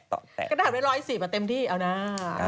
พี่ซูอาตรงนี้ก็ถามได้๑๑๐อะเต็มที่เอาน่า